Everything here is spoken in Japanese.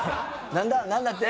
何だって？